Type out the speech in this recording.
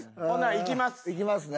行きますね。